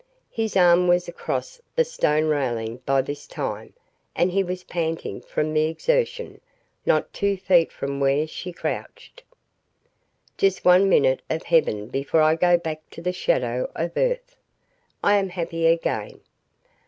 His arm was across the stone railing by this time and he was panting from the exertion, not two feet from where she crouched. "Just one minute of heaven before I go back to the shadow of earth. I am happy again.